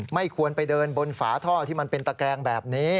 ไม่ควรไปเดินบนฝาท่อที่มันเป็นตะแกรงแบบนี้